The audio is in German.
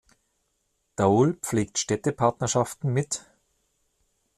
Dole pflegt Städtepartnerschaften mit